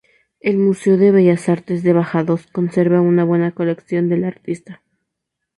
El museo de Bellas Artes de Badajoz conserva una buena colección del artista.